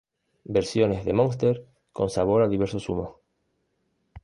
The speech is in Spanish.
Versiones de Monster con sabor a diversos zumos.